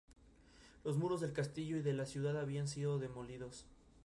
Ningún partido hizo acto alguno para argumentar el voto negativo.